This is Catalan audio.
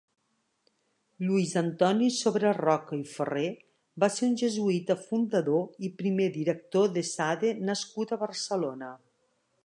Lluís Antoni Sobreroca i Ferrer va ser un jesuïta fundador i primer director d'Esade nascut a Barcelona.